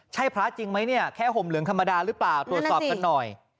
ใช่พระจริงไหมเนี่ยแค่ห่มเหลืองธรรมดาหรือเปล่าตรวจสอบกันหน่อย